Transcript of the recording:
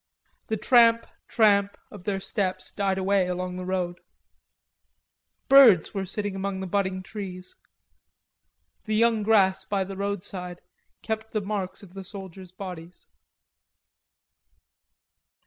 The tramp, tramp of their steps died away along the road. Birds were singing among the budding trees. The young grass by the roadside kept the marks of the soldiers' bodies.